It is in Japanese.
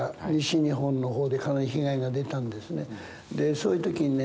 そういう時にね